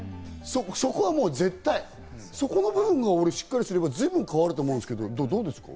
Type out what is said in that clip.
そこはもう絶対、そこの部分が俺、しっかりすれば全部変わると思うんですけど、どうですか？